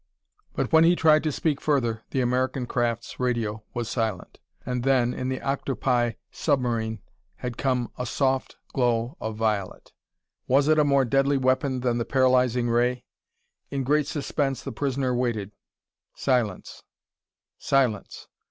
But when he tried to speak further, the American craft's radio was silent. And then, in the octopi submarine, had come a soft glow of violet.... Was it a more deadly weapon than the paralyzing ray? In great suspense the prisoner waited. Silence silence!